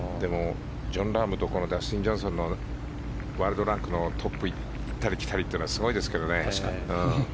ジョン・ラームとダスティン・ジョンソンがワールドランクのトップに行ったり来たりというのはすごいですけどね。